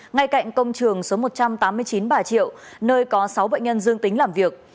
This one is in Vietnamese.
ngay cạnh công trường số một trăm tám mươi chín bà triệu nơi có sáu bệnh nhân dương tính làm việc